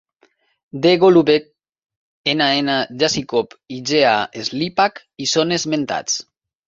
D. Golubev, N. N. Yazykov i G. A. Slipak hi són esmentats.